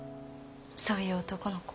そういう男の子。